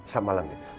selamat malam dik